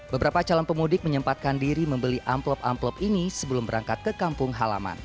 beberapa calon pemudik menyempatkan diri membeli amplop amplop ini sebelum berangkat ke kampung halaman